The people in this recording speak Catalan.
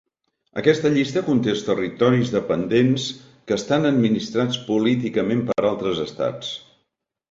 Aquesta llista conté els territoris dependents que estan administrats políticament per altres estats.